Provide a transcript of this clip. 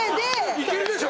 いけるでしょ